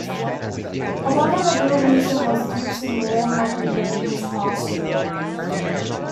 However, the real reason was due to Moore not renewing his passport.